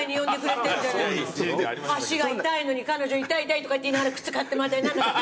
足が痛いのに彼女「痛い痛い」とかって言いながら靴買ってもらったり。